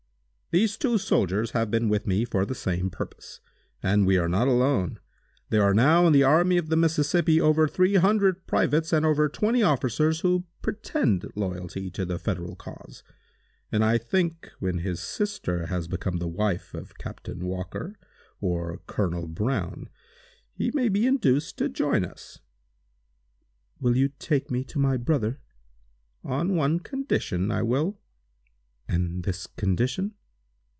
These two soldiers have been with me for the same purpose. And we were not alone. There are now, in the army of the Mississippi, over three hundred privates, and over twenty officers, who pretend loyalty to the Federal cause; and I think, when his sister has become the wife of Captain Walker, or Colonel Brown, he may be induced to join us!" "Will you take me to my brother?" "On one condition, I will." "And this condition?"